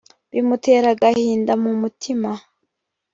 bimutera agahinda mu mutima